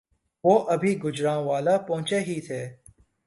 وہ ابھی گوجرانوالہ پہنچے ہی تھے